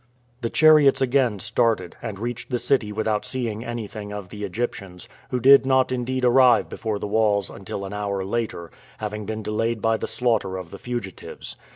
The chariots again started, and reached the city without seeing anything of the Egyptians, who did not indeed arrive before the walls until an hour later, having been delayed by the slaughter of the fugitives.